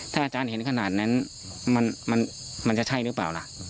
ถ้าอาจารย์เห็นขนาดนั้นมันจะใช่หรือเปล่าล่ะ